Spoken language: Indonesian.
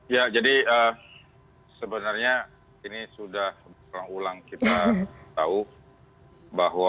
ya jadi sebenarnya ini sudah berulang ulang kita tahu bahwa